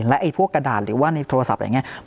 และพวกกระดาษหรือว่าในโทรศัพท์อะไรอย่างนี้